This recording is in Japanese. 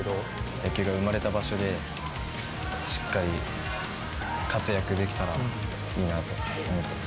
野球が生まれた場所で、しっかり活躍できたらいいなと思ってます。